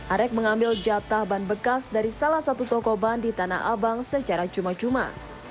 arek mengambil jatah ban bekas dari salah satu toko ban di tanah abang secara cuma cuma